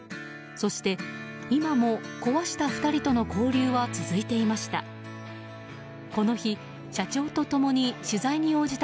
そして今も壊した２人との交流は続いていました。